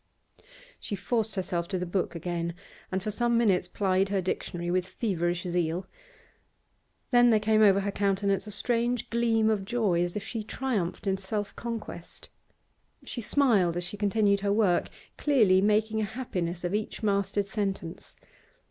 She forced herself to the book again, and for some minutes plied her dictionary with feverish zeal. Then there came over her countenance a strange gleam of joy, as if she triumphed in self conquest. She smiled as she continued her work, clearly making a happiness of each mastered sentence.